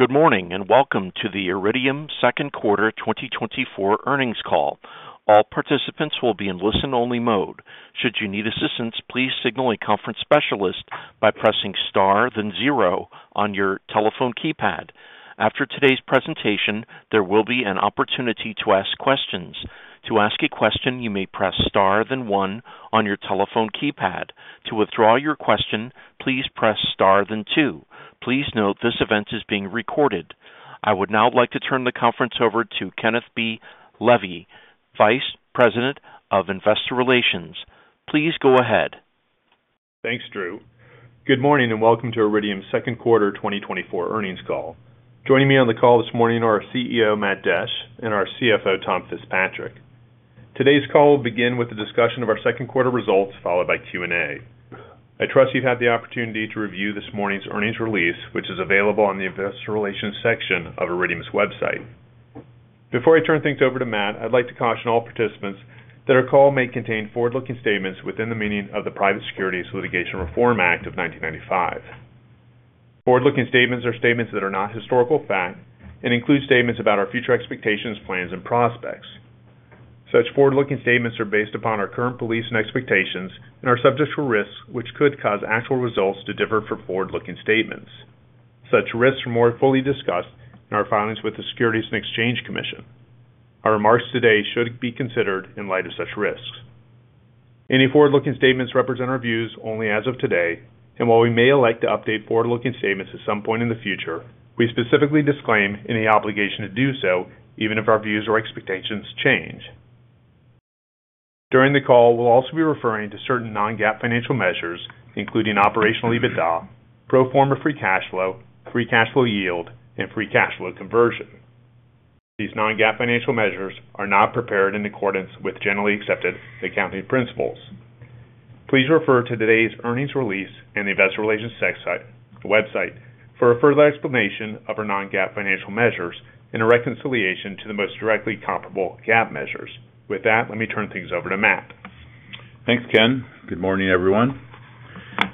Good morning and welcome to the Iridium second quarter 2024 earnings call. All participants will be in listen-only mode. Should you need assistance, please signal a conference specialist by pressing star then zero on your telephone keypad. After today's presentation, there will be an opportunity to ask questions. To ask a question, you may press star then one on your telephone keypad. To withdraw your question, please press star then two. Please note this event is being recorded. I would now like to turn the conference over to Kenneth B. Levy, Vice President of Investor Relations. Please go ahead. Thanks, Drew. Good morning and welcome to Iridium second quarter 2024 earnings call. Joining me on the call this morning are our CEO, Matt Desch, and our CFO, Tom Fitzpatrick. Today's call will begin with a discussion of our second quarter results, followed by Q&A. I trust you've had the opportunity to review this morning's earnings release, which is available on the investor relations section of Iridium's website. Before I turn things over to Matt, I'd like to caution all participants that our call may contain forward-looking statements within the meaning of the Private Securities Litigation Reform Act of 1995. Forward-looking statements are statements that are not historical fact and include statements about our future expectations, plans, and prospects. Such forward-looking statements are based upon our current beliefs and expectations and are subject to risks which could cause actual results to differ from forward-looking statements. Such risks are more fully discussed in our filings with the Securities and Exchange Commission. Our remarks today should be considered in light of such risks. Any forward-looking statements represent our views only as of today, and while we may elect to update forward-looking statements at some point in the future, we specifically disclaim any obligation to do so even if our views or expectations change. During the call, we'll also be referring to certain non-GAAP financial measures, including operational EBITDA, pro forma free cash flow, free cash flow yield, and free cash flow conversion. These non-GAAP financial measures are not prepared in accordance with generally accepted accounting principles. Please refer to today's earnings release and the Investor Relations website for a further explanation of our non-GAAP financial measures in a reconciliation to the most directly comparable GAAP measures. With that, let me turn things over to Matt. Thanks, Ken. Good morning, everyone.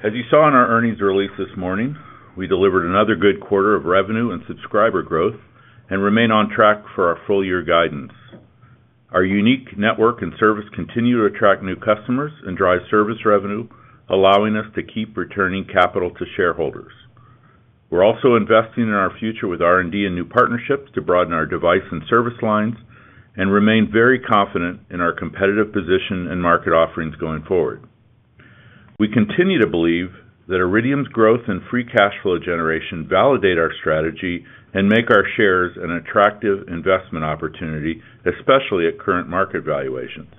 As you saw in our earnings release this morning, we delivered another good quarter of revenue and subscriber growth and remain on track for our full-year guidance. Our unique network and service continue to attract new customers and drive service revenue, allowing us to keep returning capital to shareholders. We're also investing in our future with R&D and new partnerships to broaden our device and service lines and remain very confident in our competitive position and market offerings going forward. We continue to believe that Iridium's growth and free cash flow generation validate our strategy and make our shares an attractive investment opportunity, especially at current market valuations.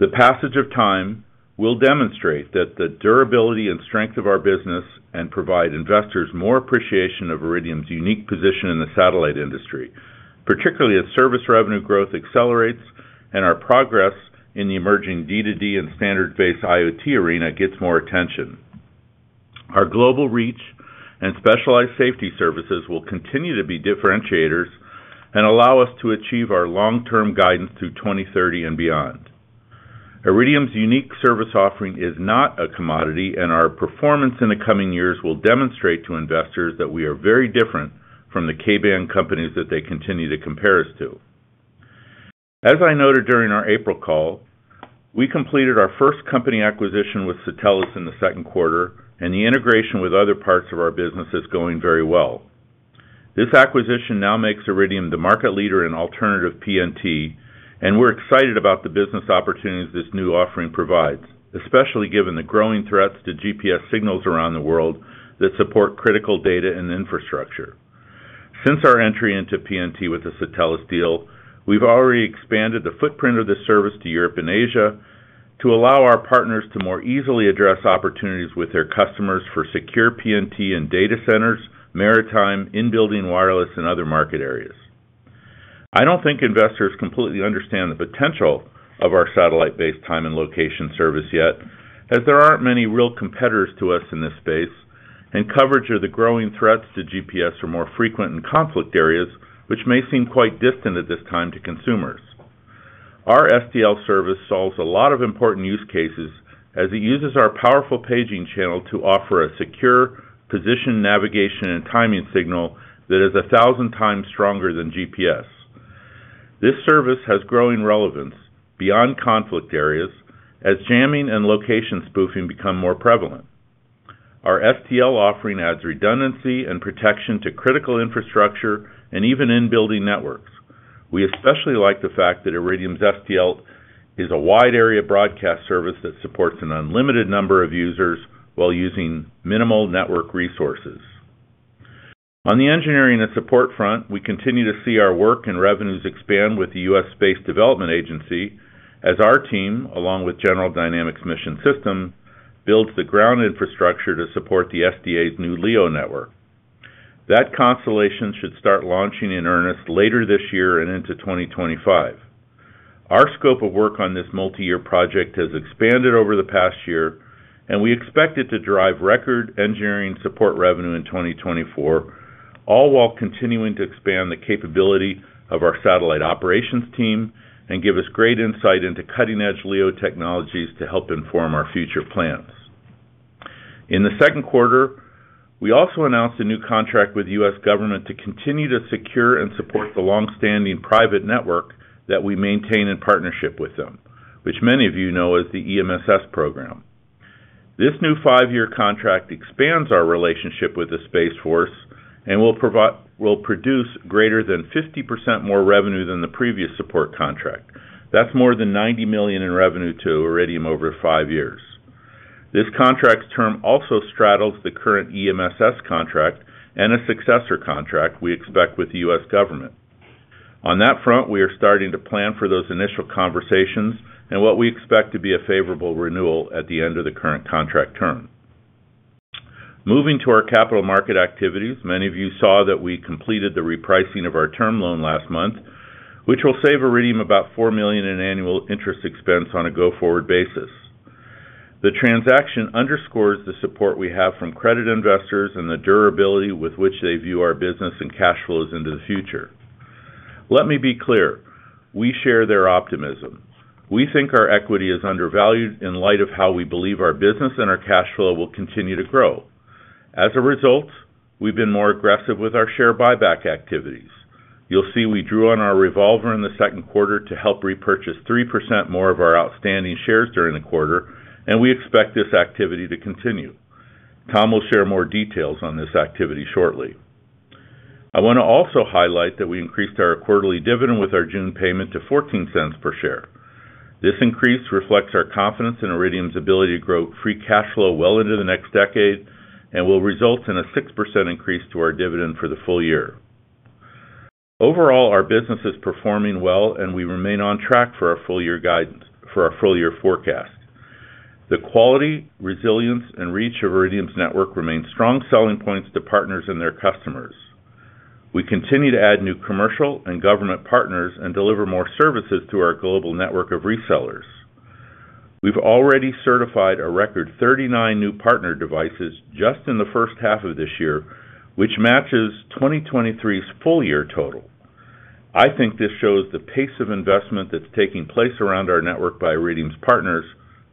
The passage of time will demonstrate that the durability and strength of our business provide investors more appreciation of Iridium's unique position in the satellite industry, particularly as service revenue growth accelerates and our progress in the emerging D2D and standard-based IoT arena gets more attention. Our global reach and specialized safety services will continue to be differentiators and allow us to achieve our long-term guidance through 2030 and beyond. Iridium's unique service offering is not a commodity, and our performance in the coming years will demonstrate to investors that we are very different from the cable companies that they continue to compare us to. As I noted during our April call, we completed our first company acquisition with Satelles in the second quarter, and the integration with other parts of our business is going very well. This acquisition now makes Iridium the market leader in alternative PNT, and we're excited about the business opportunities this new offering provides, especially given the growing threats to GPS signals around the world that support critical data and infrastructure. Since our entry into PNT with the Satelles deal, we've already expanded the footprint of the service to Europe and Asia to allow our partners to more easily address opportunities with their customers for secure PNT in data centers, maritime, in-building wireless, and other market areas. I don't think investors completely understand the potential of our satellite-based time and location service yet, as there aren't many real competitors to us in this space, and coverage of the growing threats to GPS are more frequent in conflict areas, which may seem quite distant at this time to consumers. Our STL service solves a lot of important use cases as it uses our powerful paging channel to offer a secure position navigation and timing signal that is 1,000 times stronger than GPS. This service has growing relevance beyond conflict areas as jamming and location spoofing become more prevalent. Our STL offering adds redundancy and protection to critical infrastructure and even in-building networks. We especially like the fact that Iridium's STL is a wide-area broadcast service that supports an unlimited number of users while using minimal network resources. On the engineering and support front, we continue to see our work and revenues expand with the U.S.-based development agency as our team, along with General Dynamics Mission Systems, builds the ground infrastructure to support the SDA's new LEO network. That constellation should start launching in earnest later this year and into 2025. Our scope of work on this multi-year project has expanded over the past year, and we expect it to drive record engineering support revenue in 2024, all while continuing to expand the capability of our satellite operations team and give us great insight into cutting-edge LEO technologies to help inform our future plans. In the second quarter, we also announced a new contract with the U.S. government to continue to secure and support the long-standing private network that we maintain in partnership with them, which many of you know as the EMSS program. This new five-year contract expands our relationship with the Space Force and will produce greater than 50% more revenue than the previous support contract. That's more than $90 million in revenue to Iridium over five years. This contract's term also straddles the current EMSS contract and a successor contract we expect with the U.S. government. On that front, we are starting to plan for those initial conversations and what we expect to be a favorable renewal at the end of the current contract term. Moving to our capital market activities, many of you saw that we completed the repricing of our term loan last month, which will save Iridium about $4 million in annual interest expense on a go-forward basis. The transaction underscores the support we have from credit investors and the durability with which they view our business and cash flows into the future. Let me be clear: we share their optimism. We think our equity is undervalued in light of how we believe our business and our cash flow will continue to grow. As a result, we've been more aggressive with our share buyback activities. You'll see we drew on our revolver in the second quarter to help repurchase 3% more of our outstanding shares during the quarter, and we expect this activity to continue. Tom will share more details on this activity shortly. I want to also highlight that we increased our quarterly dividend with our June payment to $0.14 per share. This increase reflects our confidence in Iridium's ability to grow free cash flow well into the next decade and will result in a 6% increase to our dividend for the full year. Overall, our business is performing well, and we remain on track for our full-year forecast. The quality, resilience, and reach of Iridium's network remain strong selling points to partners and their customers. We continue to add new commercial and government partners and deliver more services through our global network of resellers. We've already certified a record 39 new partner devices just in the first half of this year, which matches 2023's full-year total. I think this shows the pace of investment that's taking place around our network by Iridium's partners,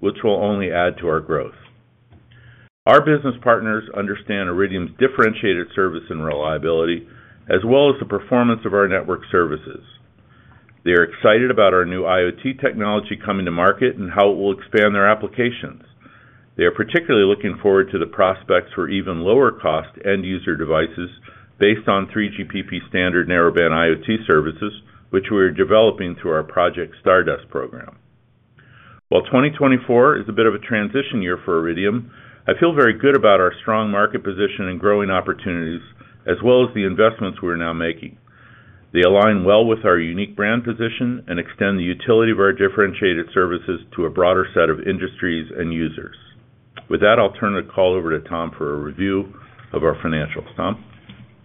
which will only add to our growth. Our business partners understand Iridium's differentiated service and reliability, as well as the performance of our network services. They are excited about our new IoT technology coming to market and how it will expand their applications. They are particularly looking forward to the prospects for even lower-cost end-user devices based on 3GPP standard narrowband IoT services, which we are developing through our Project Stardust program. While 2024 is a bit of a transition year for Iridium, I feel very good about our strong market position and growing opportunities, as well as the investments we're now making. They align well with our unique brand position and extend the utility of our differentiated services to a broader set of industries and users. With that, I'll turn the call over to Tom for a review of our financials. Tom.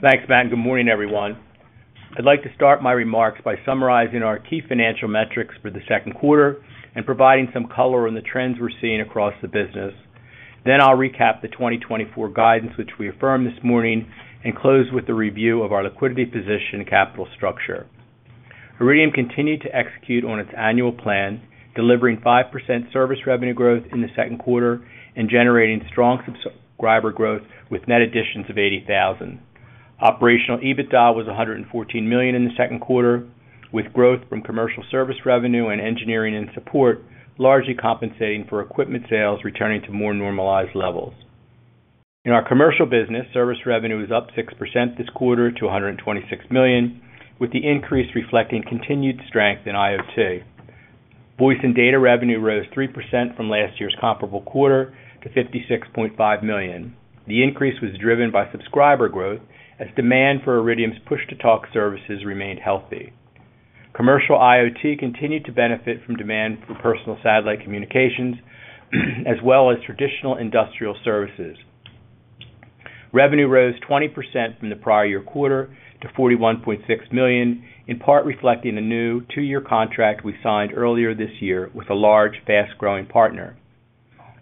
Thanks, Matt. Good morning, everyone. I'd like to start my remarks by summarizing our key financial metrics for the second quarter and providing some color on the trends we're seeing across the business. I'll recap the 2024 guidance, which we affirmed this morning, and close with a review of our liquidity position and capital structure. Iridium continued to execute on its annual plan, delivering 5% service revenue growth in the second quarter and generating strong subscriber growth with net additions of 80,000. Operational EBITDA was $114 million in the second quarter, with growth from commercial service revenue and engineering and support largely compensating for equipment sales returning to more normalized levels. In our commercial business, service revenue was up 6% this quarter to $126 million, with the increase reflecting continued strength in IoT. Voice and data revenue rose 3% from last year's comparable quarter to $56.5 million. The increase was driven by subscriber growth as demand for Iridium's push-to-talk services remained healthy. Commercial IoT continued to benefit from demand for personal satellite communications, as well as traditional industrial services. Revenue rose 20% from the prior year quarter to $41.6 million, in part reflecting the new two-year contract we signed earlier this year with a large, fast-growing partner.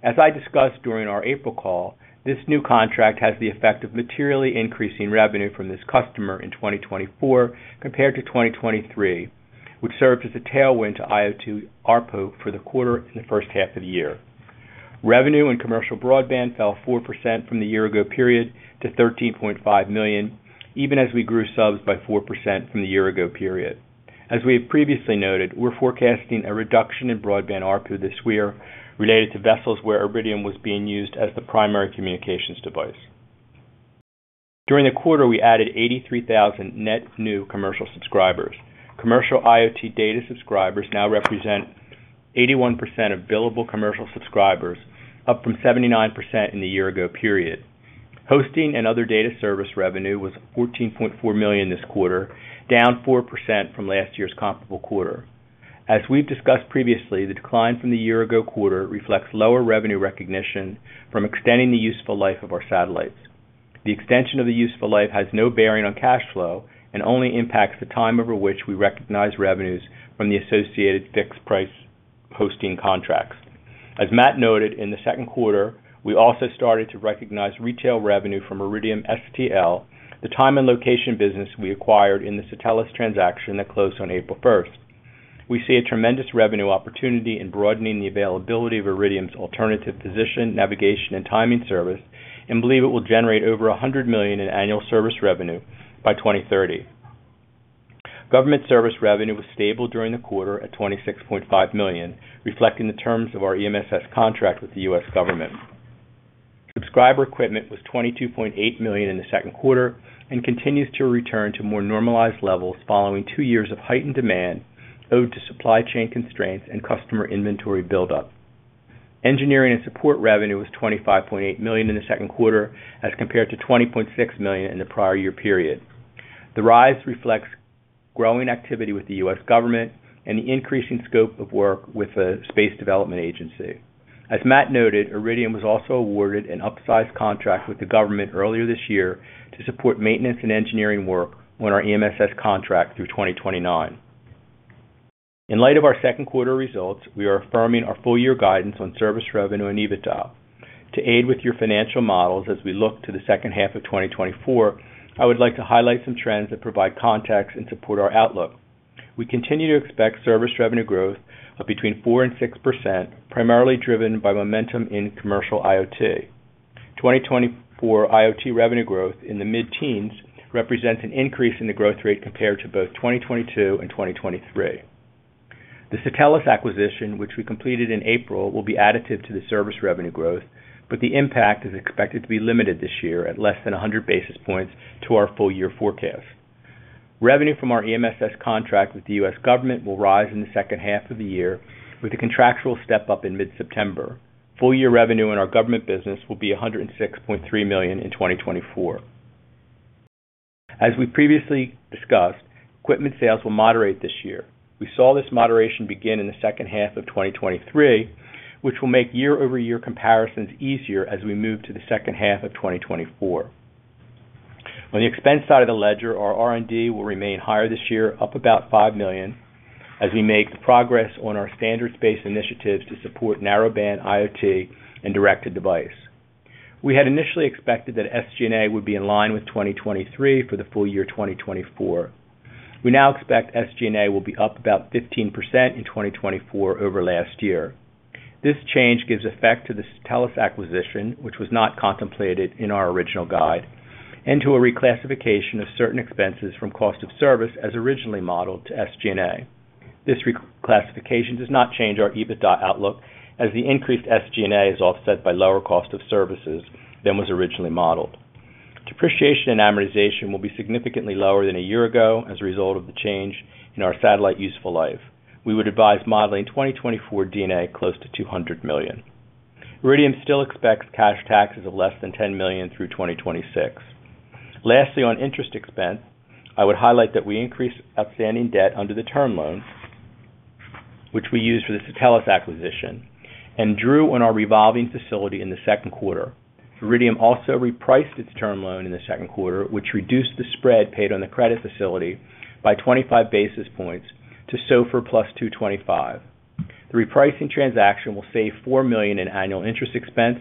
As I discussed during our April call, this new contract has the effect of materially increasing revenue from this customer in 2024 compared to 2023, which served as a tailwind to IoT ARPU for the quarter and the first half of the year. Revenue and commercial broadband fell 4% from the year-ago period to $13.5 million, even as we grew subs by 4% from the year-ago period. As we have previously noted, we're forecasting a reduction in broadband ARPU this year related to vessels where Iridium was being used as the primary communications device. During the quarter, we added 83,000 net new commercial subscribers. Commercial IoT data subscribers now represent 81% of billable commercial subscribers, up from 79% in the year-ago period. Hosting and other data service revenue was $14.4 million this quarter, down 4% from last year's comparable quarter. As we've discussed previously, the decline from the year-ago quarter reflects lower revenue recognition from extending the useful life of our satellites. The extension of the useful life has no bearing on cash flow and only impacts the time over which we recognize revenues from the associated fixed-price hosting contracts. As Matt noted, in the second quarter, we also started to recognize retail revenue from Iridium STL, the time and location business we acquired in the Satelles transaction that closed on April 1st. We see a tremendous revenue opportunity in broadening the availability of Iridium's alternative position navigation and timing service and believe it will generate over $100 million in annual service revenue by 2030. Government service revenue was stable during the quarter at $26.5 million, reflecting the terms of our EMSS contract with the U.S. government. Subscriber equipment was $22.8 million in the second quarter and continues to return to more normalized levels following two years of heightened demand owed to supply chain constraints and customer inventory buildup. Engineering and support revenue was $25.8 million in the second quarter as compared to $20.6 million in the prior year period. The rise reflects growing activity with the U.S. government and the increasing scope of work with the Space Development Agency. As Matt noted, Iridium was also awarded an upsized contract with the government earlier this year to support maintenance and engineering work on our EMSS contract through 2029. In light of our second quarter results, we are affirming our full-year guidance on service revenue and EBITDA. To aid with your financial models as we look to the second half of 2024, I would like to highlight some trends that provide context and support our outlook. We continue to expect service revenue growth of between 4%-6%, primarily driven by momentum in commercial IoT. 2024 IoT revenue growth in the mid-teens represents an increase in the growth rate compared to both 2022 and 2023. The Satelles acquisition, which we completed in April, will be additive to the service revenue growth, but the impact is expected to be limited this year at less than 100 basis points to our full-year forecast. Revenue from our EMSS contract with the U.S. government will rise in the second half of the year with a contractual step up in mid-September. Full-year revenue in our government business will be $106.3 million in 2024. As we previously discussed, equipment sales will moderate this year. We saw this moderation begin in the second half of 2023, which will make year-over-year comparisons easier as we move to the second half of 2024. On the expense side of the ledger, our R&D will remain higher this year, up about $5 million, as we make progress on our standards-based initiatives to support narrowband IoT and direct-to-device. We had initially expected that SG&A would be in line with 2023 for the full year 2024. We now expect SG&A will be up about 15% in 2024 over last year. This change gives effect to the Satelles acquisition, which was not contemplated in our original guide, and to a reclassification of certain expenses from cost of service as originally modeled to SG&A. This reclassification does not change our EBITDA outlook, as the increased SG&A is offset by lower cost of services than was originally modeled. Depreciation and amortization will be significantly lower than a year ago as a result of the change in our satellite useful life. We would advise modeling 2024 D&A close to $200 million. Iridium still expects cash taxes of less than $10 million through 2026. Lastly, on interest expense, I would highlight that we increased outstanding debt under the term loan, which we used for the Satelles acquisition, and drew on our revolving facility in the second quarter. Iridium also repriced its term loan in the second quarter, which reduced the spread paid on the credit facility by 25 basis points to SOFR plus 225. The repricing transaction will save $4 million in annual interest expense.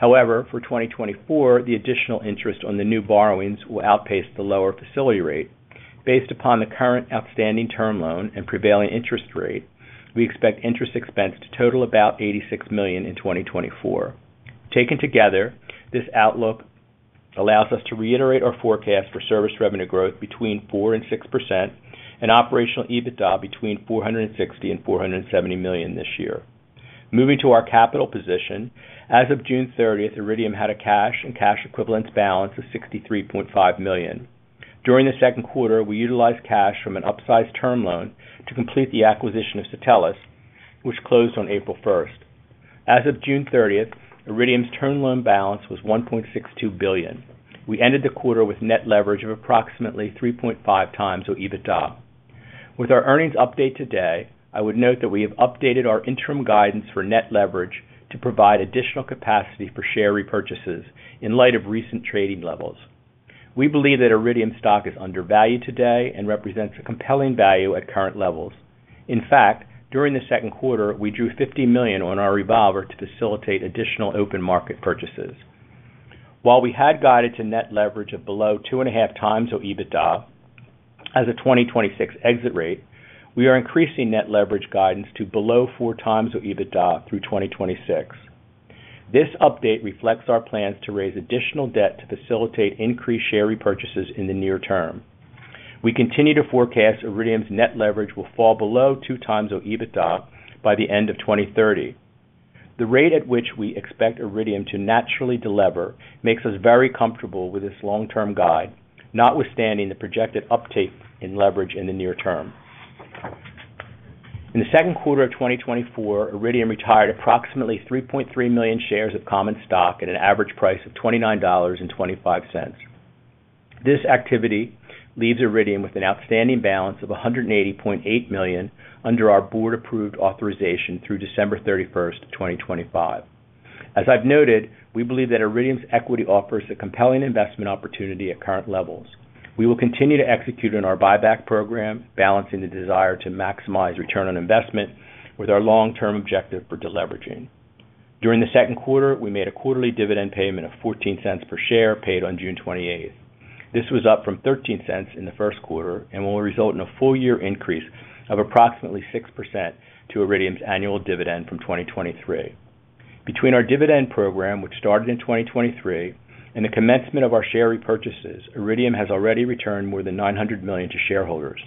However, for 2024, the additional interest on the new borrowings will outpace the lower facility rate. Based upon the current outstanding term loan and prevailing interest rate, we expect interest expense to total about $86 million in 2024. Taken together, this outlook allows us to reiterate our forecast for service revenue growth between 4% and 6% and operational EBITDA between $460 million and $470 million this year. Moving to our capital position, as of June 30th, Iridium had a cash and cash equivalence balance of $63.5 million. During the second quarter, we utilized cash from an upsized term loan to complete the acquisition of Satelles, which closed on April 1st. As of June 30th, Iridium's term loan balance was $1.62 billion. We ended the quarter with net leverage of approximately 3.5x our EBITDA. With our earnings update today, I would note that we have updated our interim guidance for net leverage to provide additional capacity for share repurchases in light of recent trading levels. We believe that Iridium stock is undervalued today and represents a compelling value at current levels. In fact, during the second quarter, we drew $50 million on our revolver to facilitate additional open market purchases. While we had guided to net leverage of below 2.5x our EBITDA as a 2026 exit rate, we are increasing net leverage guidance to below 4x our EBITDA through 2026. This update reflects our plans to raise additional debt to facilitate increased share repurchases in the near term. We continue to forecast Iridium's net leverage will fall below 2x our EBITDA by the end of 2030. The rate at which we expect Iridium to naturally deliver makes us very comfortable with this long-term guide, notwithstanding the projected uptake in leverage in the near term. In the second quarter of 2024, Iridium retired approximately 3.3 million shares of common stock at an average price of $29.25. This activity leaves Iridium with an outstanding balance of 180.8 million under our board-approved authorization through December 31st, 2025. As I've noted, we believe that Iridium's equity offers a compelling investment opportunity at current levels. We will continue to execute on our buyback program, balancing the desire to maximize return on investment with our long-term objective for deleveraging. During the second quarter, we made a quarterly dividend payment of $0.14 per share paid on June 28th. This was up from $0.13 in the first quarter and will result in a full-year increase of approximately 6% to Iridium's annual dividend from 2023. Between our dividend program, which started in 2023, and the commencement of our share repurchases, Iridium has already returned more than $900 million to shareholders.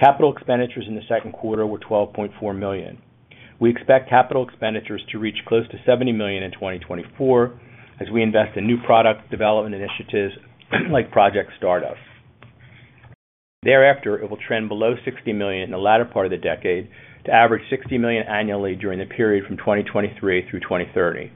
Capital expenditures in the second quarter were $12.4 million. We expect capital expenditures to reach close to $70 million in 2024 as we invest in new product development initiatives like Project Stardust. Thereafter, it will trend below $60 million in the latter part of the decade to average $60 million annually during the period from 2023 through 2030.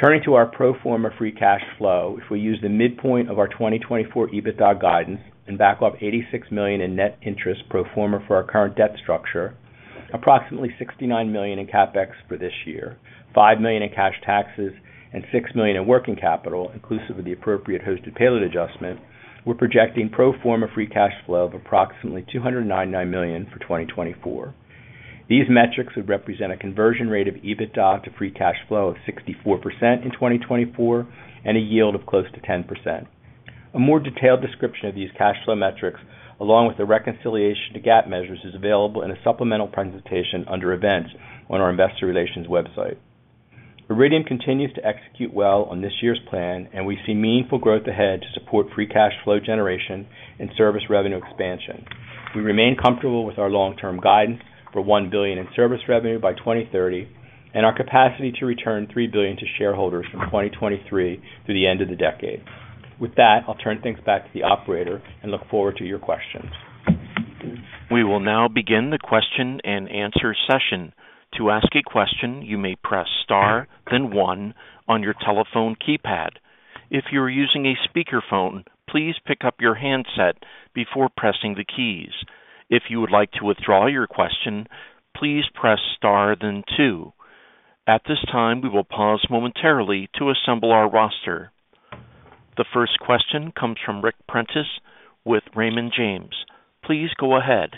Turning to our pro forma free cash flow, if we use the midpoint of our 2024 EBITDA guidance and back off $86 million in net interest pro forma for our current debt structure, approximately $69 million in CapEx for this year, $5 million in cash taxes, and $6 million in working capital, inclusive of the appropriate hosted payload adjustment, we're projecting pro forma free cash flow of approximately $299 million for 2024. These metrics would represent a conversion rate of EBITDA to free cash flow of 64% in 2024 and a yield of close to 10%. A more detailed description of these cash flow metrics, along with the reconciliation to GAAP measures, is available in a supplemental presentation under events on our investor relations website. Iridium continues to execute well on this year's plan, and we see meaningful growth ahead to support free cash flow generation and service revenue expansion. We remain comfortable with our long-term guidance for $1 billion in service revenue by 2030 and our capacity to return $3 billion to shareholders from 2023 through the end of the decade. With that, I'll turn things back to the operator and look forward to your questions. We will now begin the question and answer session. To ask a question, you may press Star, then one on your telephone keypad. If you are using a speakerphone, please pick up your handset before pressing the keys. If you would like to withdraw your question, please press star, then two. At this time, we will pause momentarily to assemble our roster. The first question comes from Ric Prentiss with Raymond James. Please go ahead.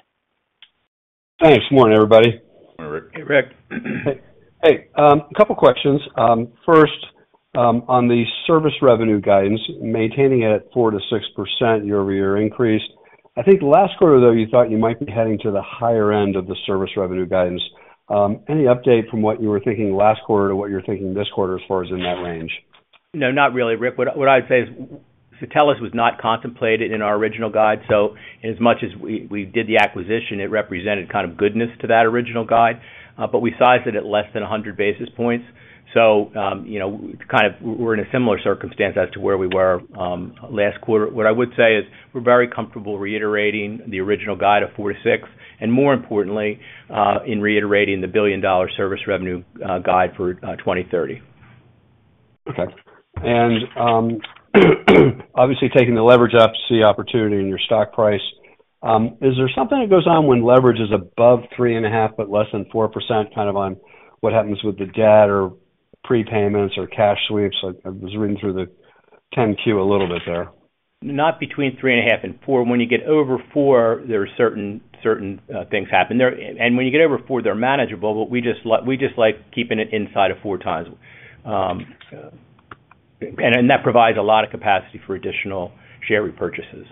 Hey, good morning, everybody. Hey, Ric. Hey, Ric. Hey. A couple of questions. First, on the service revenue guidance, maintaining it at 4%-6% year-over-year increase. I think last quarter, though, you thought you might be heading to the higher end of the service revenue guidance. Any update from what you were thinking last quarter to what you're thinking this quarter as far as in that range? No, not really, Ric. What I'd say is Satelles was not contemplated in our original guide. So as much as we did the acquisition, it represented kind of goodness to that original guide. But we sized it at less than 100 basis points. So kind of we're in a similar circumstance as to where we were last quarter. What I would say is we're very comfortable reiterating the original guide of four to six, and more importantly, in reiterating the billion-dollar service revenue guide for 2030. Okay. And obviously, taking the leverage up to see opportunity in your stock price, is there something that goes on when leverage is above 3.5 but less than 4%, kind of on what happens with the debt or prepayments or cash sweeps? I was reading through the 10-Q a little bit there. Not between 3.5 and 4. When you get over 4, there are certain things happen. And when you get over 4, they're manageable, but we just like keeping it inside of 4x. And that provides a lot of capacity for additional share repurchases.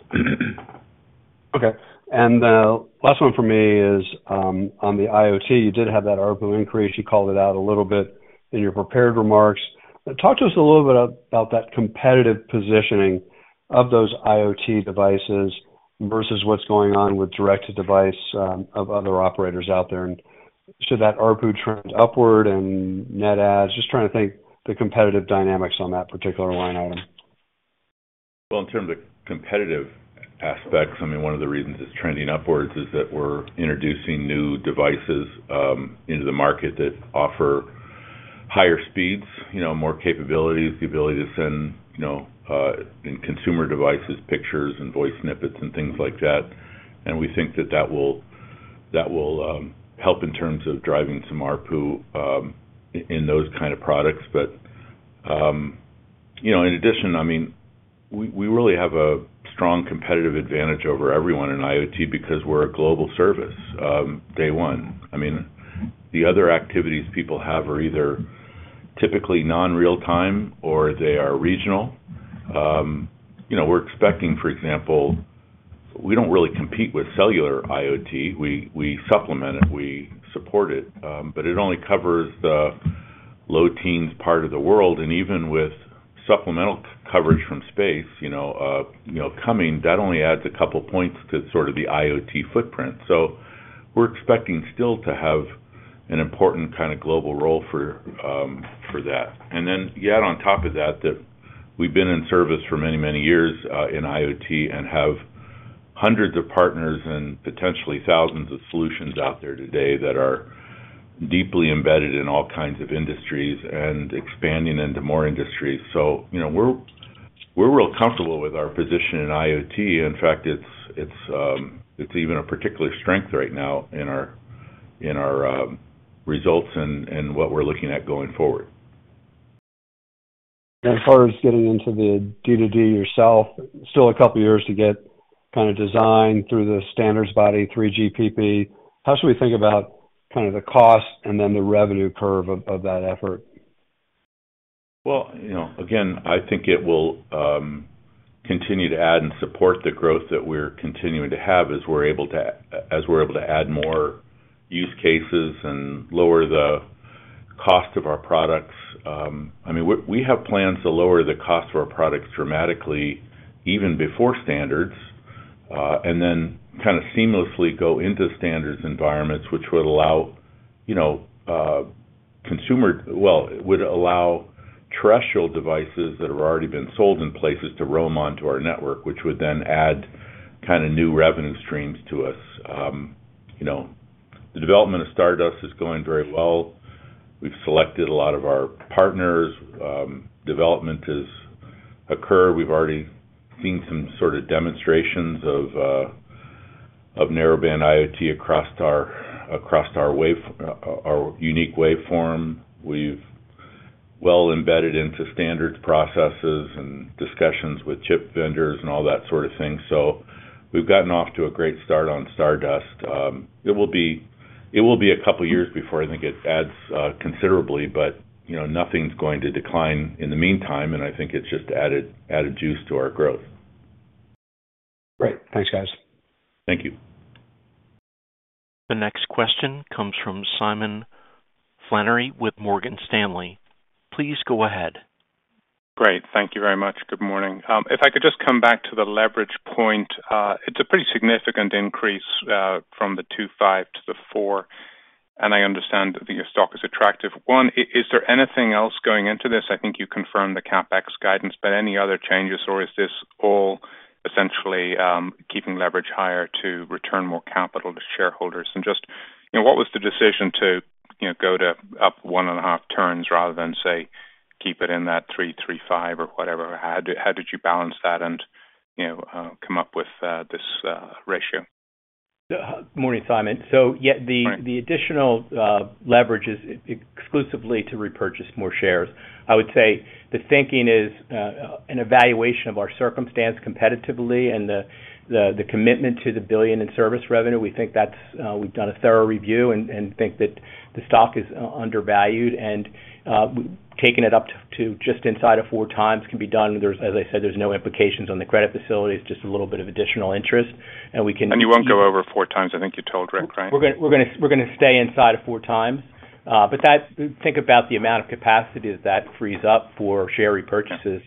Okay. And the last one for me is on the IoT. You did have that ARPU increase. You called it out a little bit in your prepared remarks. Talk to us a little bit about that competitive positioning of those IoT devices versus what's going on with direct-to-device of other operators out there. And should that ARPU trend upward and net adds? Just trying to think the competitive dynamics on that particular line item. Well, in terms of competitive aspects, I mean, one of the reasons it's trending upwards is that we're introducing new devices into the market that offer higher speeds, more capabilities, the ability to send in consumer devices, pictures, and voice snippets, and things like that. And we think that that will help in terms of driving some ARPU in those kind of products. But in addition, I mean, we really have a strong competitive advantage over everyone in IoT because we're a global service day one. I mean, the other activities people have are either typically non-real-time or they are regional. We're expecting, for example, we don't really compete with cellular IoT. We supplement it. We support it. But it only covers the low-teens part of the world. And even with Supplemental Coverage from Space coming, that only adds a couple of points to sort of the IoT footprint. So we're expecting still to have an important kind of global role for that. And then, yeah, on top of that, that we've been in service for many, many years in IoT and have hundreds of partners and potentially thousands of solutions out there today that are deeply embedded in all kinds of industries and expanding into more industries. So we're real comfortable with our position in IoT. In fact, it's even a particular strength right now in our results and what we're looking at going forward. And as far as getting into the D2D yourself, still a couple of years to get kind of designed through the standards body, 3GPP. How should we think about kind of the cost and then the revenue curve of that effort? Well, again, I think it will continue to add and support the growth that we're continuing to have as we're able to add more use cases and lower the cost of our products. I mean, we have plans to lower the cost of our products dramatically even before standards and then kind of seamlessly go into standards environments, which would allow consumer well, it would allow terrestrial devices that have already been sold in places to roam onto our network, which would then add kind of new revenue streams to us. The development of Stardust is going very well. We've selected a lot of our partners. Development has occurred. We've already seen some sort of demonstrations of narrowband IoT across our unique waveform. We're well embedded into standards processes and discussions with chip vendors and all that sort of thing. So we've gotten off to a great start on Stardust. It will be a couple of years before I think it adds considerably, but nothing's going to decline in the meantime, and I think it's just added juice to our growth. Great. Thanks, guys. Thank you. The next question comes from Simon Flannery with Morgan Stanley. Please go ahead. Great. Thank you very much. Good morning. If I could just come back to the leverage point, it's a pretty significant increase from the 2.5 to the 4. And I understand that your stock is attractive. One, is there anything else going into this? I think you confirmed the CapEx guidance, but any other changes, or is this all essentially keeping leverage higher to return more capital to shareholders? And just what was the decision to go to up 1.5 turns rather than, say, keep it in that 3x-3.5x or whatever? How did you balance that and come up with this ratio? Good morning, Simon. So yeah, the additional leverage is exclusively to repurchase more shares. I would say the thinking is an evaluation of our circumstance competitively and the commitment to the $1 billion in service revenue. We think that we've done a thorough review and think that the stock is undervalued. And taking it up to just inside of 4x can be done. As I said, there's no implications on the credit facility. It's just a little bit of additional interest. And you won't go over 4 times, I think you told Ric, right? We're going to stay inside of 4 times. But think about the amount of capacity that that frees up for share repurchases.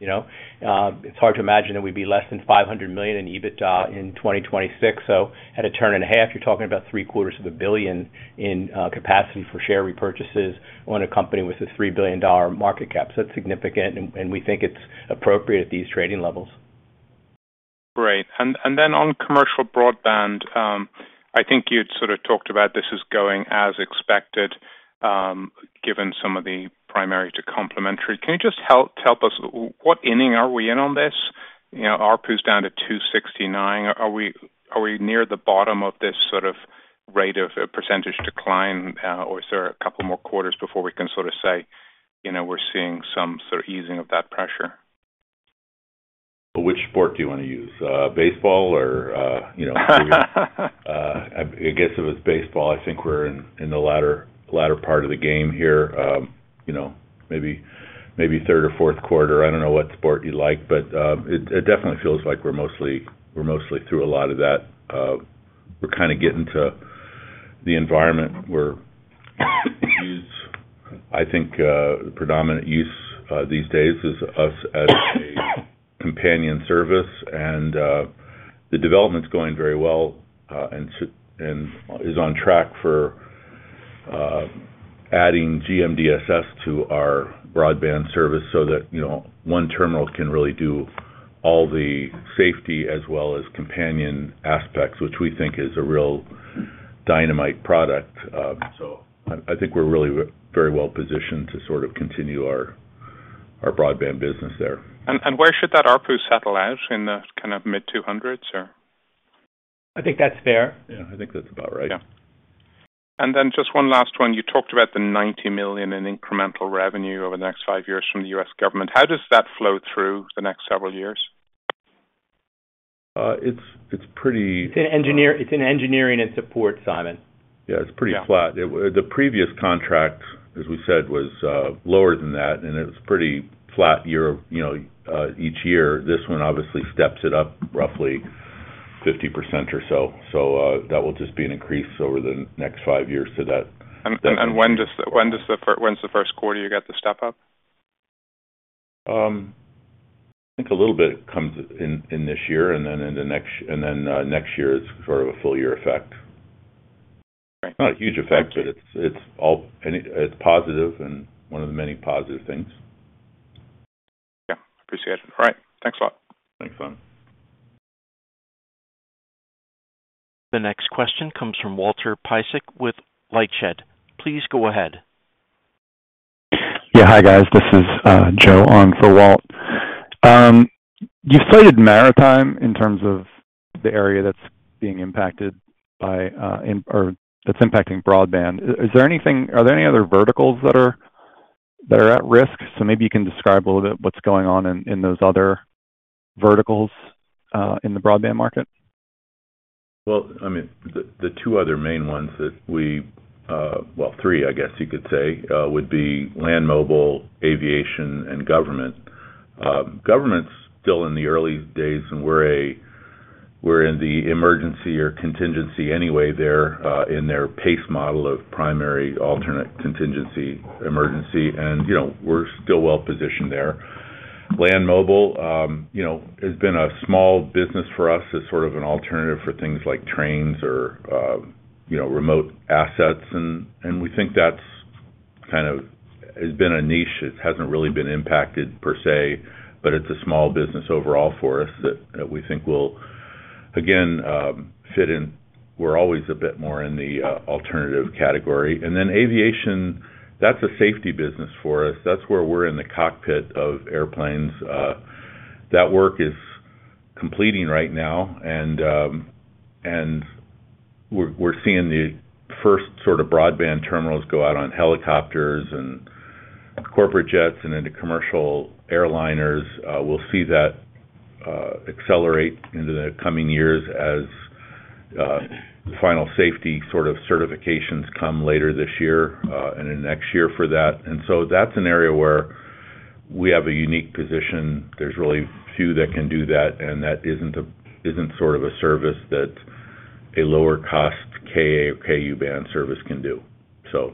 It's hard to imagine that we'd be less than $500 million in EBITDA in 2026. So at a turn and a half, you're talking about $750 million in capacity for share repurchases on a company with a $3 billion market cap. So that's significant, and we think it's appropriate at these trading levels. Great. And then on commercial broadband, I think you'd sort of talked about this is going as expected given some of the primary to complementary. Can you just help us? What inning are we in on this? ARPU's down to $2.69. Are we near the bottom of this sort of rate of percentage decline, or is there a couple more quarters before we can sort of say we're seeing some sort of easing of that pressure? Which sport do you want to use? Baseball or—I guess it was baseball. I think we're in the latter part of the game here. Maybe third or fourth quarter. I don't know what sport you'd like, but it definitely feels like we're mostly through a lot of that. We're kind of getting to the environment where I think the predominant use these days is us as a companion service. And the development's going very well and is on track for adding GMDSS to our broadband service so that one terminal can really do all the safety as well as companion aspects, which we think is a real dynamite product. So I think we're really very well positioned to sort of continue our broadband business there. And where should that ARPU settle out in the kind of mid-200s, or? I think that's fair. Yeah, I think that's about right. Yeah. And then just one last one. You talked about the $90 million in incremental revenue over the next five years from the U.S. government. How does that flow through the next several years? It's pretty. It's in engineering and support, Simon. Yeah, it's pretty flat. The previous contract, as we said, was lower than that, and it was pretty flat each year. This one obviously steps it up roughly 50% or so. So that will just be an increase over the next five years to that. And when's the first quarter you get the step-up? I think a little bit comes in this year and then into next year. Then next year is sort of a full-year effect. Not a huge effect, but it's positive and one of the many positive things. Okay. Appreciate it. All right. Thanks a lot. Thanks, Simon. The next question comes from Walter Piecyk with LightShed. Please go ahead. Yeah. Hi, guys. This is Joe on for Walt. You've cited maritime in terms of the area that's being impacted by or that's impacting broadband. Are there any other verticals that are at risk? So maybe you can describe a little bit what's going on in those other verticals in the broadband market. Well, I mean, the two other main ones that we, well, three, I guess you could say, would be land mobile, aviation, and government. Government's still in the early days, and we're in the emergency or contingency anyway there in their PACE model of primary, alternate, contingency, emergency. We're still well positioned there. Land mobile has been a small business for us as sort of an alternative for things like trains or remote assets. We think that's kind of has been a niche. It hasn't really been impacted per se, but it's a small business overall for us that we think will, again, fit in. We're always a bit more in the alternative category. Then aviation, that's a safety business for us. That's where we're in the cockpit of airplanes. That work is completing right now. We're seeing the first sort of broadband terminals go out on helicopters and corporate jets and into commercial airliners. We'll see that accelerate into the coming years as final safety sort of certifications come later this year and in next year for that. So that's an area where we have a unique position. There's really few that can do that, and that isn't sort of a service that a lower-cost Ka or Ku band service can do. So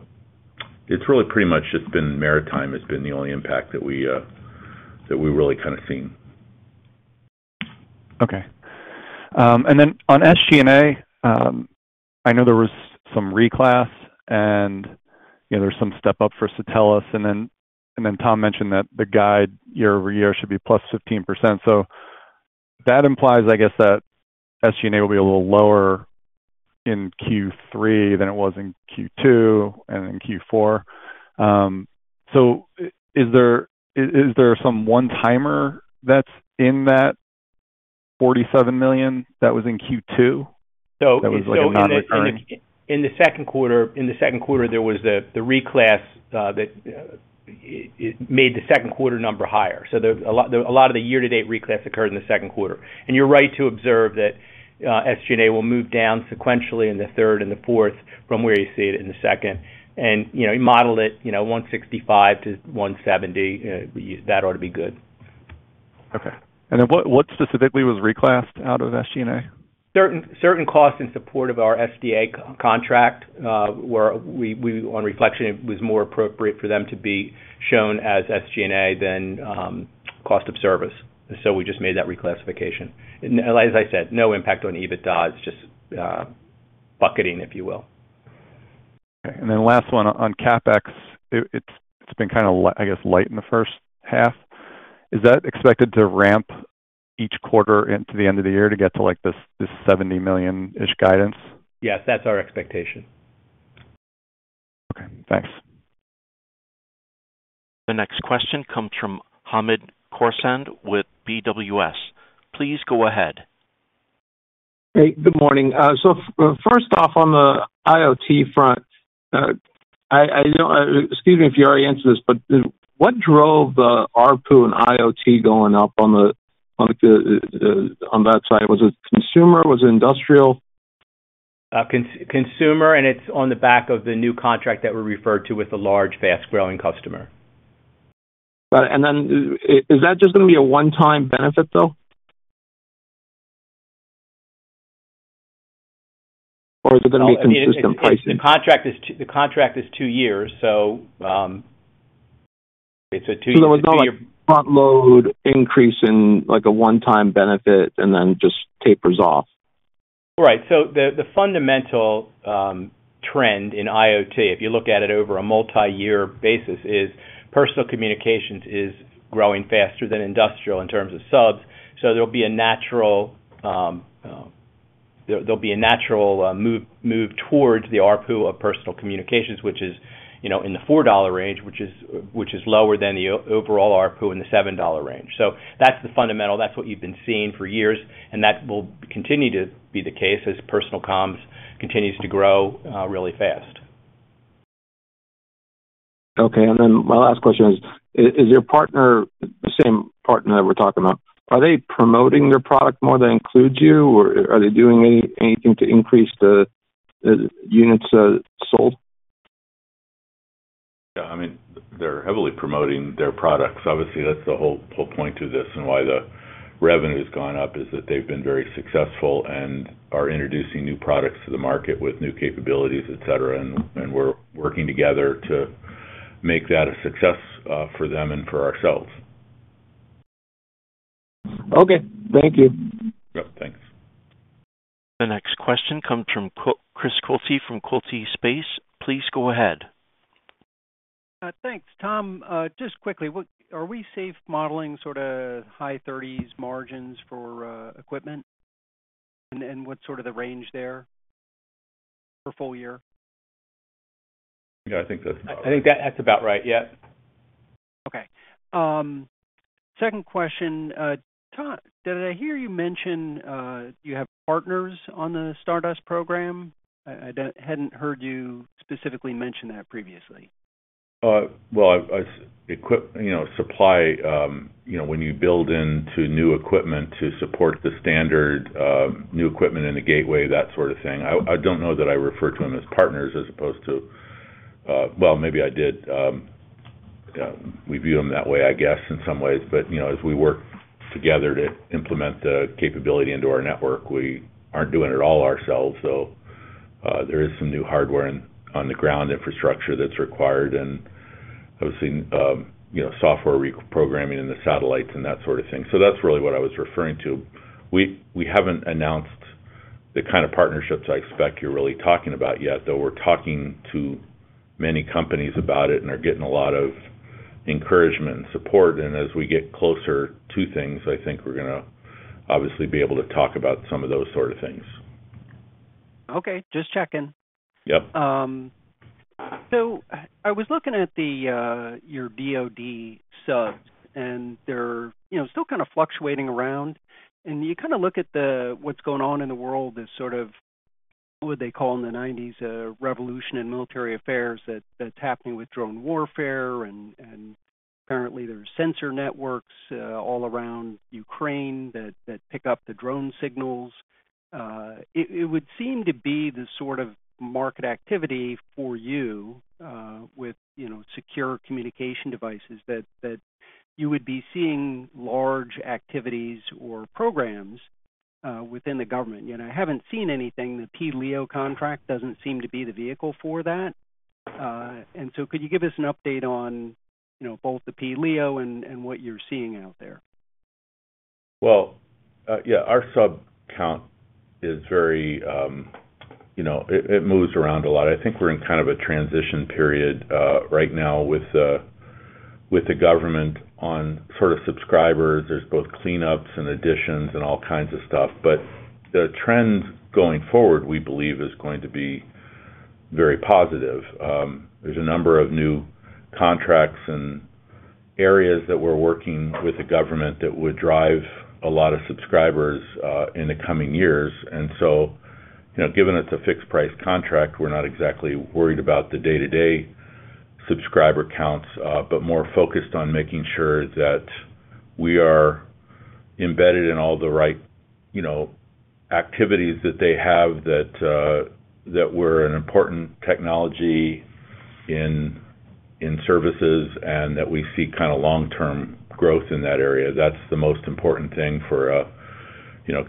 it's really pretty much just been maritime has been the only impact that we really kind of seen. Okay. And then on SG&A, I know there was some reclass, and there's some step-up for Satelles. And then Tom mentioned that the guide year over year should be plus 15%. So that implies, I guess, that SG&A will be a little lower in Q3 than it was in Q2 and in Q4. So is there some one-timer that's in that $47 million that was in Q2 that was like a non-return? In the second quarter, there was the reclass that made the second quarter number higher. So a lot of the year-to-date reclass occurred in the second quarter. You're right to observe that SG&A will move down sequentially in the third and the fourth from where you see it in the second. Model it $165-$170 million, that ought to be good. Okay. And then what specifically was reclassed out of SG&A? Certain costs in support of our SDA contract, where on reflection, it was more appropriate for them to be shown as SG&A than cost of service. So we just made that reclassification. As I said, no impact on EBITDA, just bucketing, if you will. Okay. And then last one on CapEx, it's been kind of, I guess, light in the first half. Is that expected to ramp each quarter into the end of the year to get to this $70 million-ish guidance? Yes, that's our expectation. Okay. Thanks. The next question comes from Hamed Khorsand with BWS. Please go ahead. Hey, good morning. So first off, on the IoT front, excuse me if you already answered this, but what drove the ARPU and IoT going up on that side? Was it consumer? Was it industrial? Consumer, and it's on the back of the new contract that we referred to with the large, fast-growing customer. Got it. And then is that just going to be a one-time benefit, though? Or is it going to be consistent pricing? The contract is two years, so it's a two-year two-year. Front-load increase in a one-time benefit and then just tapers off. Right. So the fundamental trend in IoT, if you look at it over a multi-year basis, is personal communications is growing faster than industrial in terms of subs. So there'll be a natural move towards the ARPU of personal communications, which is in the $4 range, which is lower than the overall ARPU in the $7 range. So that's the fundamental. That's what you've been seeing for years, and that will continue to be the case as personal comms continues to grow really fast. Okay. And then my last question is, is your partner, the same partner that we're talking about, are they promoting their product more that includes you, or are they doing anything to increase the units sold? Yeah. I mean, they're heavily promoting their products. Obviously, that's the whole point of this and why the revenue has gone up, is that they've been very successful and are introducing new products to the market with new capabilities, etc. And we're working together to make that a success for them and for ourselves. Okay. Thank you. Yep. Thanks. The next question comes from Chris Quilty from Quilty Space. Please go ahead. Thanks. Tom, just quickly, are we safe modeling sort of high 30s margins for equipment? And what's sort of the range there for full year? Yeah, I think that's about right. I think that's about right. Yep. Okay. Second question. Tom, did I hear you mention you have partners on the Stardust program? I hadn't heard you specifically mention that previously. Well, suppliers when you build into new equipment to support the standard new equipment in the gateway, that sort of thing. I don't know that I refer to them as partners as opposed to, well, maybe I did. We view them that way, I guess, in some ways. But as we work together to implement the capability into our network, we aren't doing it all ourselves. So there is some new hardware and on-the-ground infrastructure that's required and, obviously, software reprogramming and the satellites and that sort of thing. So that's really what I was referring to. We haven't announced the kind of partnerships I expect you're really talking about yet, though we're talking to many companies about it and are getting a lot of encouragement and support. And as we get closer to things, I think we're going to obviously be able to talk about some of those sort of things. Okay. Just checking. So I was looking at your DoD subs, and they're still kind of fluctuating around. And you kind of look at what's going on in the world as sort of, what would they call in the 1990s, a revolution in military affairs that's happening with drone warfare. Apparently, there are sensor networks all around Ukraine that pick up the drone signals. It would seem to be the sort of market activity for you with secure communication devices that you would be seeing large activities or programs within the government. I haven't seen anything. The PLEO contract doesn't seem to be the vehicle for that. So could you give us an update on both the PLEO and what you're seeing out there? Well, yeah, our sub count is very, it moves around a lot. I think we're in kind of a transition period right now with the government on sort of subscribers. There's both cleanups and additions and all kinds of stuff. The trend going forward, we believe, is going to be very positive. There's a number of new contracts and areas that we're working with the government that would drive a lot of subscribers in the coming years. So, given it's a fixed-price contract, we're not exactly worried about the day-to-day subscriber counts, but more focused on making sure that we are embedded in all the right activities that they have, that we're an important technology in services, and that we see kind of long-term growth in that area. That's the most important thing for a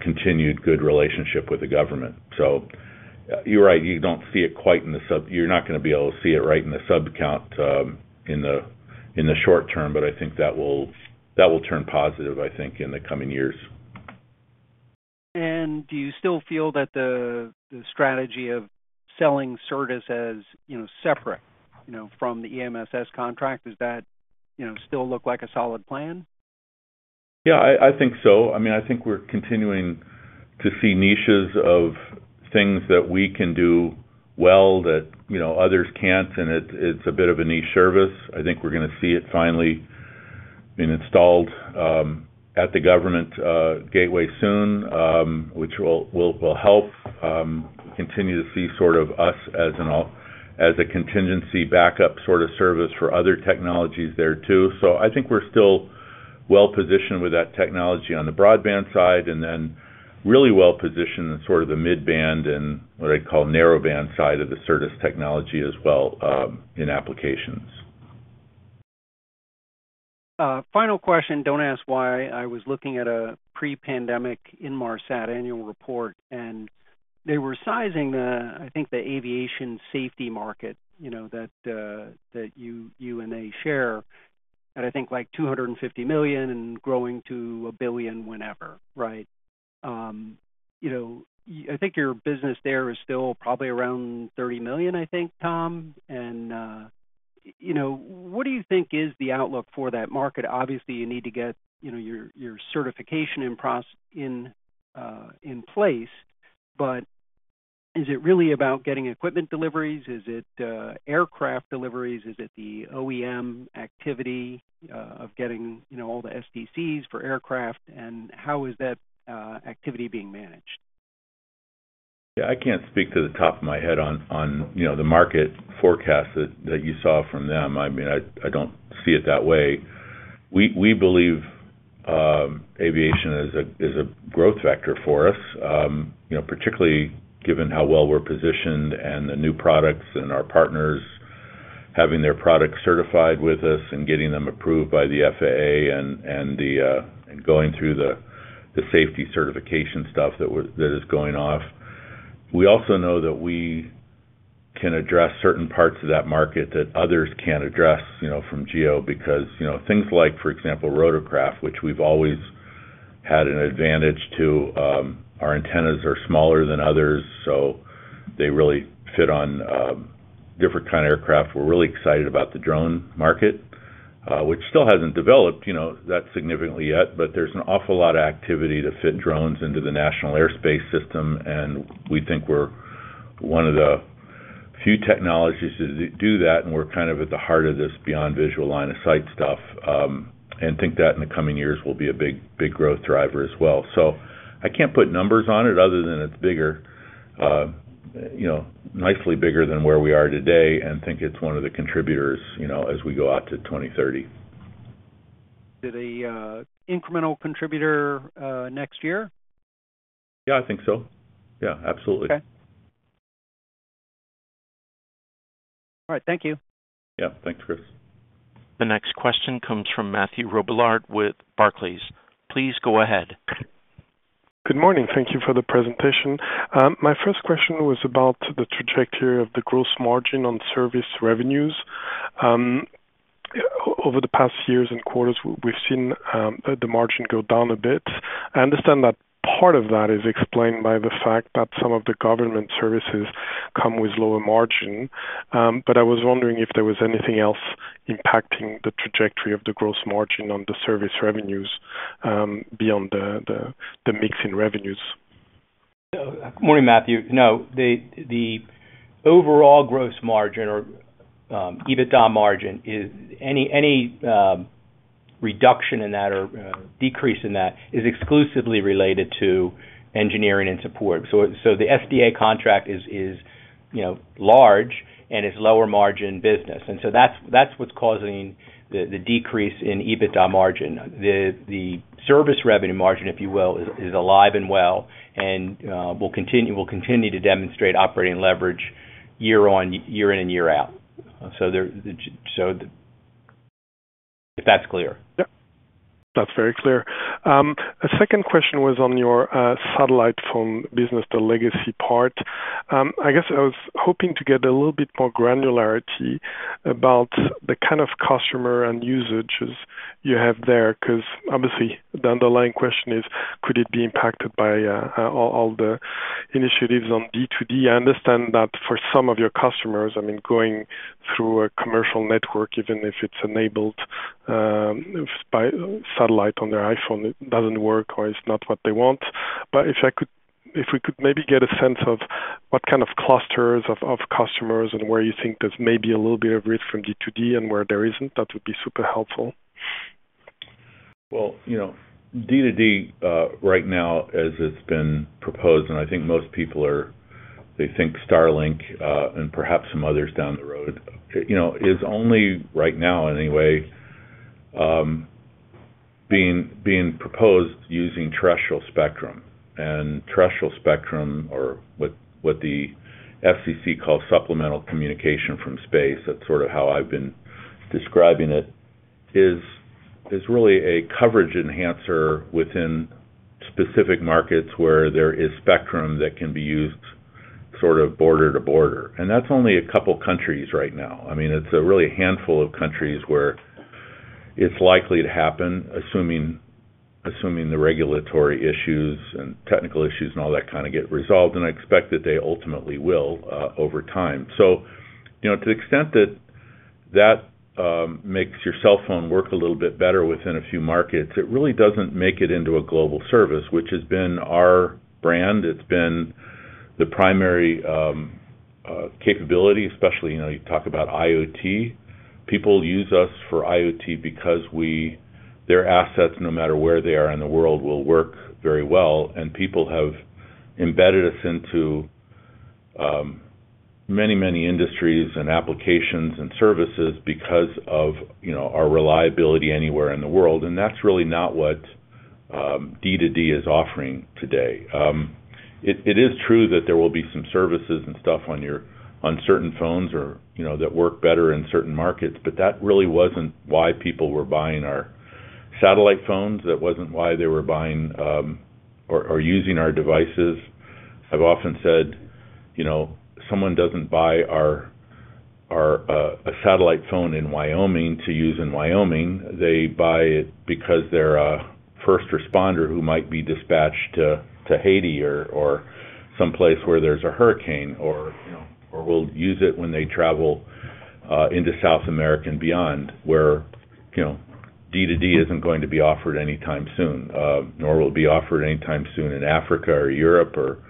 continued good relationship with the government. So you're right. You don't see it quite in the sub count—you're not going to be able to see it right in the sub count in the short term, but I think that will turn positive, I think, in the coming years. And do you still feel that the strategy of selling service as separate from the EMSS contract, does that still look like a solid plan? Yeah, I think so. I mean, I think we're continuing to see niches of things that we can do well that others can't, and it's a bit of a niche service. I think we're going to see it finally being installed at the government gateway soon, which will help continue to see sort of us as a contingency backup sort of service for other technologies there too. So I think we're still well positioned with that technology on the broadband side and then really well positioned in sort of the midband and what I'd call narrowband side of the service technology as well in applications. Final question. Don't ask why. I was looking at a pre-pandemic Inmarsat annual report, and they were sizing, I think, the aviation safety market that you and they share. And I think like $250 million and growing to $1 billion whenever, right? I think your business there is still probably around $30 million, I think, Tom. And what do you think is the outlook for that market? Obviously, you need to get your certification in place, but is it really about getting equipment deliveries? Is it aircraft deliveries? Is it the OEM activity of getting all the STCs for aircraft? And how is that activity being managed? Yeah, I can't speak off the top of my head on the market forecast that you saw from them. I mean, I don't see it that way. We believe aviation is a growth factor for us, particularly given how well we're positioned and the new products and our partners having their products certified with us and getting them approved by the FAA and going through the safety certification stuff that is going on. We also know that we can address certain parts of that market that others can't address from GEO because things like, for example, rotorcraft, which we've always had an advantage to. Our antennas are smaller than others, so they really fit on different kinds of aircraft. We're really excited about the drone market, which still hasn't developed that significantly yet, but there's an awful lot of activity to fit drones into the national airspace system. And we think we're one of the few technologies to do that, and we're kind of at the heart of this beyond visual line of sight stuff. I think that in the coming years will be a big growth driver as well. So I can't put numbers on it other than it's bigger, nicely bigger than where we are today, and I think it's one of the contributors as we go out to 2030. To the incremental contributor next year? Yeah, I think so. Yeah, absolutely. Okay. All right. Thank you. Yeah. Thanks, Chris. The next question comes from Mathieu Robilliard with Barclays. Please go ahead. Good morning. Thank you for the presentation. My first question was about the trajectory of the gross margin on service revenues. Over the past years and quarters, we've seen the margin go down a bit. I understand that part of that is explained by the fact that some of the government services come with lower margin. I was wondering if there was anything else impacting the trajectory of the gross margin on the service revenues beyond the mixing revenues. Good morning, Matthew. No. The overall gross margin or EBITDA margin, any reduction in that or decrease in that is exclusively related to engineering and support. So the SDA contract is large and it's lower margin business. And so that's what's causing the decrease in EBITDA margin. The service revenue margin, if you will, is alive and well and will continue to demonstrate operating leverage year in and year out. So if that's clear. Yep. That's very clear. A second question was on your satellite phone business, the legacy part. I guess I was hoping to get a little bit more granularity about the kind of customer and usages you have there because, obviously, the underlying question is, could it be impacted by all the initiatives on D2D? I understand that for some of your customers, I mean, going through a commercial network, even if it's enabled by satellite on their iPhone, it doesn't work or it's not what they want. But if we could maybe get a sense of what kind of clusters of customers and where you think there's maybe a little bit of risk from D2D and where there isn't, that would be super helpful. Well, D2D right now, as it's been proposed, and I think most people are, they think Starlink and perhaps some others down the road, is only right now, in any way, being proposed using terrestrial spectrum. Terrestrial spectrum, or what the FCC calls supplemental coverage from space, that's sort of how I've been describing it, is really a coverage enhancer within specific markets where there is spectrum that can be used sort of border to border. That's only a couple of countries right now. I mean, it's a real handful of countries where it's likely to happen, assuming the regulatory issues and technical issues and all that kind of get resolved. I expect that they ultimately will over time. To the extent that that makes your cell phone work a little bit better within a few markets, it really doesn't make it into a global service, which has been our brand. It's been the primary capability, especially you talk about IoT. People use us for IoT because their assets, no matter where they are in the world, will work very well. People have embedded us into many, many industries and applications and services because of our reliability anywhere in the world. That's really not what D2D is offering today. It is true that there will be some services and stuff on certain phones that work better in certain markets, but that really wasn't why people were buying our satellite phones. That wasn't why they were buying or using our devices. I've often said someone doesn't buy a satellite phone in Wyoming to use in Wyoming. They buy it because they're a first responder who might be dispatched to Haiti or someplace where there's a hurricane or will use it when they travel into South America and beyond, where D2D isn't going to be offered anytime soon, nor will it be offered anytime soon in Africa or Europe or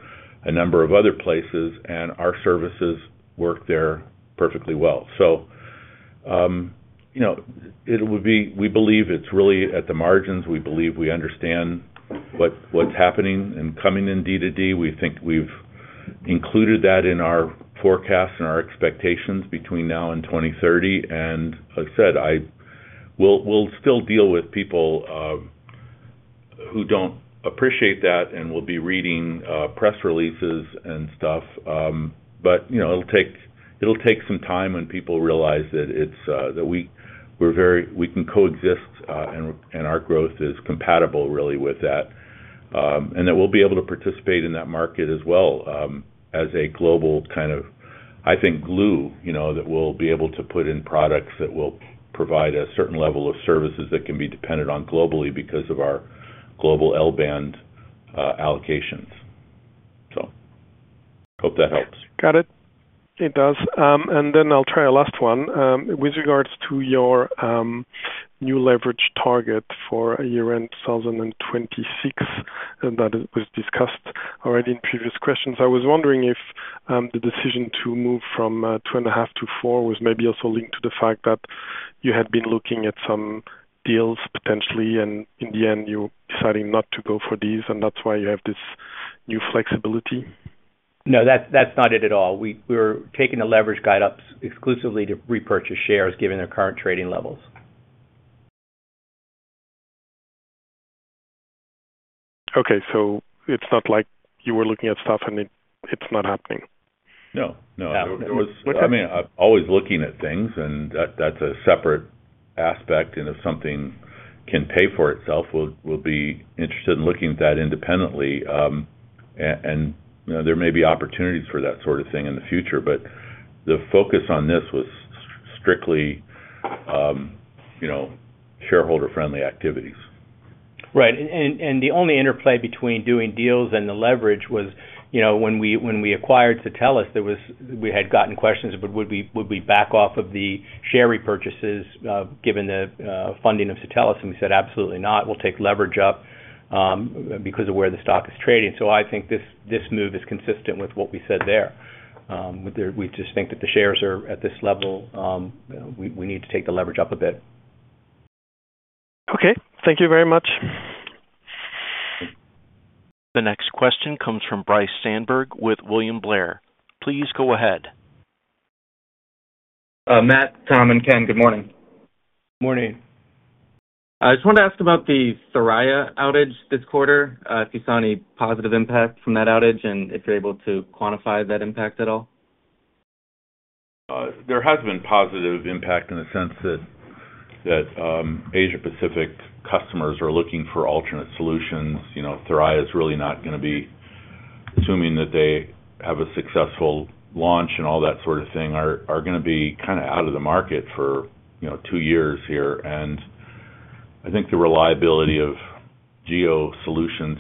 a number of other places. And our services work there perfectly well. So we believe it's really at the margins. We believe we understand what's happening and coming in D2D. We think we've included that in our forecasts and our expectations between now and 2030. And as I said, we'll still deal with people who don't appreciate that and will be reading press releases and stuff. But it'll take some time when people realize that we can coexist and our growth is compatible really with that. And that we'll be able to participate in that market as well as a global kind of, I think, glue that we'll be able to put in products that will provide a certain level of services that can be dependent on globally because of our global L-band allocations. So hope that helps. Got it. It does. And then I'll try a last one. With regards to your new leverage target for year-end 2026, and that was discussed already in previous questions. I was wondering if the decision to move from 2.5 to 4 was maybe also linked to the fact that you had been looking at some deals potentially, and in the end, you're deciding not to go for these, and that's why you have this new flexibility. No, that's not it at all. We're taking the leverage guide up exclusively to repurchase shares given their current trading levels. Okay. So it's not like you were looking at stuff and it's not happening. No. No. I mean, I'm always looking at things, and that's a separate aspect. And if something can pay for itself, we'll be interested in looking at that independently. There may be opportunities for that sort of thing in the future, but the focus on this was strictly shareholder-friendly activities. Right. And the only interplay between doing deals and the leverage was when we acquired Satelles, we had gotten questions about would we back off of the share repurchases given the funding of Satelles. And we said, "Absolutely not. We'll take leverage up because of where the stock is trading." So I think this move is consistent with what we said there. We just think that the shares are at this level. We need to take the leverage up a bit. Okay. Thank you very much. The next question comes from Bryce Sandberg with William Blair. Please go ahead. Matt, Tom, and Ken, good morning. Morning. I just wanted to ask about the Thuraya outage this quarter, if you saw any positive impact from that outage and if you're able to quantify that impact at all. There has been positive impact in the sense that Asia-Pacific customers are looking for alternate solutions. Thuraya is really not going to be assuming that they have a successful launch and all that sort of thing are going to be kind of out of the market for two years here. And I think the reliability of GEO solutions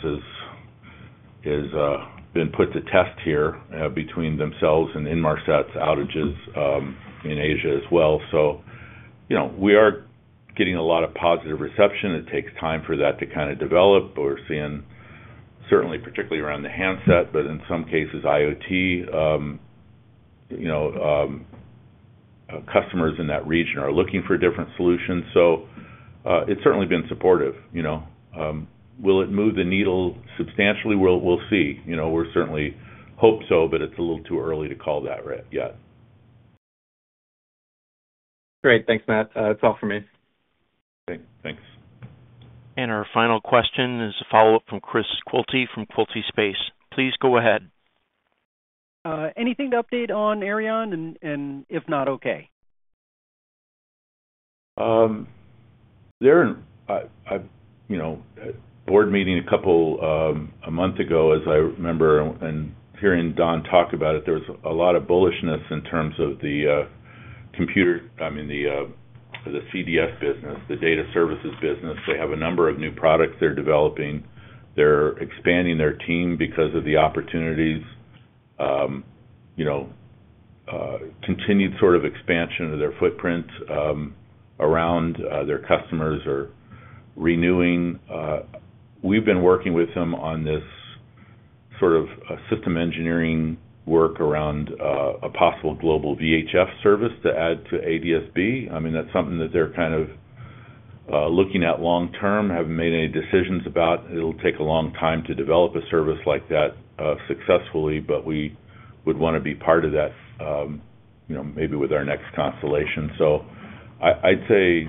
has been put to test here between themselves and Inmarsat's outages in Asia as well. So we are getting a lot of positive reception. It takes time for that to kind of develop. We're seeing, certainly, particularly around the handset, but in some cases, IoT customers in that region are looking for different solutions. So it's certainly been supportive. Will it move the needle substantially? We'll see. We certainly hope so, but it's a little too early to call that yet. Great. Thanks, Matt. That's all for me. Thanks. And our final question is a follow-up from Chris Quilty from Quilty Space. Please go ahead. Anything to update on Aireon and if not, okay. There's a board meeting a couple of months ago, as I remember, and hearing Don talk about it, there was a lot of bullishness in terms of the computer—I mean, the ADS-B business, the data services business. They have a number of new products they're developing. They're expanding their team because of the opportunities, continued sort of expansion of their footprint around their customers or renewing. We've been working with them on this sort of system engineering work around a possible global VHF service to add to ADS-B. I mean, that's something that they're kind of looking at long-term, haven't made any decisions about. It'll take a long time to develop a service like that successfully, but we would want to be part of that maybe with our next constellation. So I'd say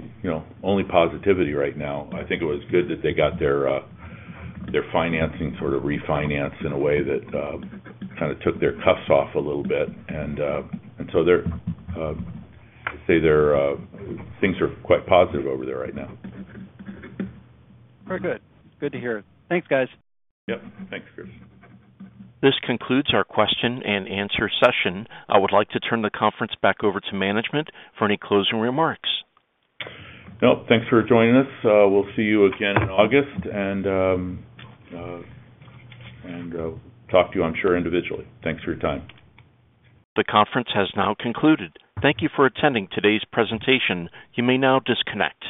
only positivity right now. I think it was good that they got their financing sort of refinanced in a way that kind of took their cuffs off a little bit. And so I'd say things are quite positive over there right now. Very good. Good to hear. Thanks, guys. Yep. Thanks, Chris. This concludes our question and answer session. I would like to turn the conference back over to management for any closing remarks. Nope. Thanks for joining us. We'll see you again in August and talk to you, I'm sure, individually. Thanks for your time. The conference has now concluded. Thank you for attending today's presentation. You may now disconnect.